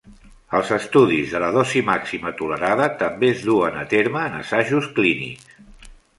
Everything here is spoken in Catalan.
Els estudis de la dosi màxima tolerada també es duen a terme en assajos clínics.